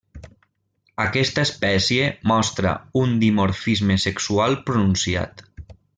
Aquesta espècie mostra un dimorfisme sexual pronunciat.